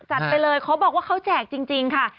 ไปเลยเขาบอกว่าเขาแจกจริงค่ะ